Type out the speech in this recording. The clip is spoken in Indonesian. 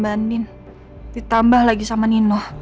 mbak andien ditambah lagi sama nino